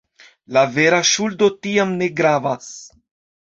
La vera ŝuldo tiam ne gravas.